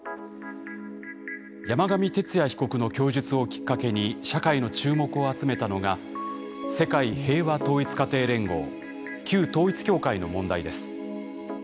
山上徹也被告の供述をきっかけに社会の注目を集めたのが世界平和統一家庭連合・旧統一教会の問題です。